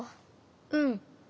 うん。